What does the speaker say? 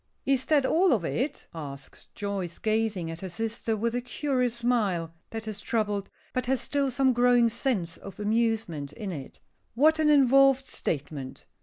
"Is that all of it?" asks Joyce, gazing at her sister with a curious smile, that is troubled, but has still some growing sense of amusement in it. "What an involved statement!